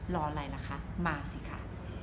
รออะไรล่ะคะมาสิคะ